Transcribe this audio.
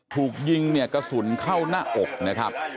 ถูกยิงเนี่ยกระสุนเข้าหน้าอกนะครับ